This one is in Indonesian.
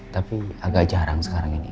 tapi agak jarang sekarang ini